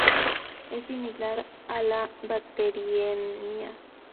Es similar a la bacteriemia.